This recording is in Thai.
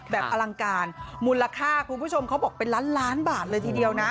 อลังการมูลค่าคุณผู้ชมเขาบอกเป็นล้านล้านบาทเลยทีเดียวนะ